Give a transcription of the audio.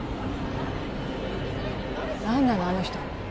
何なのあの人？